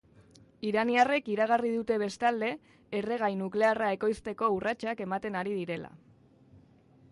Iraniarrek iragarri dute bestalde, erregai nuklearra ekoizteko urratsak ematen ari direla.